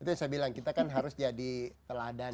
itu yang saya bilang kita kan harus jadi teladan